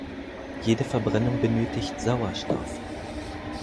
Jede Verbrennung benötigt Sauerstoff.